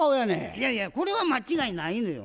いやいやこれは間違いないのよ。